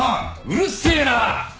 うるっせえなぁ！